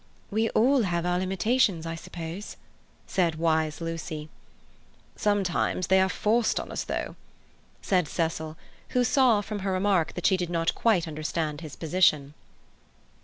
"We all have our limitations, I suppose," said wise Lucy. "Sometimes they are forced on us, though," said Cecil, who saw from her remark that she did not quite understand his position.